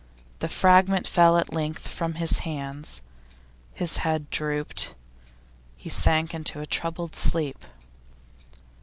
The fragment fell at length from his hands; his head drooped; he sank into a troubled sleep.